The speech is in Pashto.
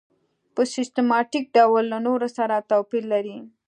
په سیستماتیک ډول له نورو سره توپیر لري.